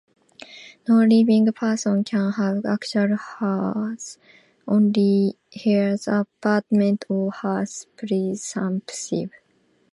No living person can have actual heirs, only heirs apparent or heirs presumptive.